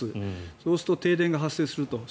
そうすると停電が発生すると。